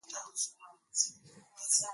Akina na akiri kumasomo